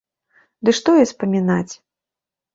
Ды што і спамінаць!